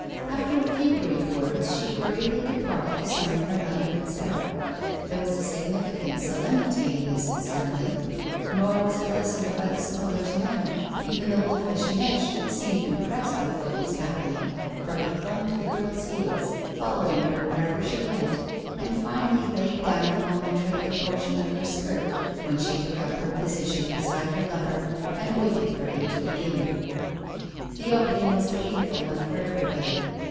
After a few brief words she hurriedly departed to summon her mother and Sarah. There was a significant solemnity in this assembling; nor was it lessened by the smuggler's manner. Even the wolfish Neche seemed impressed with what was happening, for he clung to the girl's heels, following her wherever she went, and finally laid down upon the trailing portion of her skirt when she took up her position beside her lover and waited for him to begin. The opening was a painful one for everybody.